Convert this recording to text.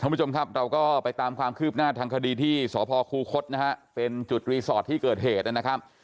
คุณผู้ชมครับเราก็ไปตามความคืบหน้าทางคดีที่สพคูคศนะฮะเป็นจุดรีสอร์ทที่เกิดเหตุนะครับ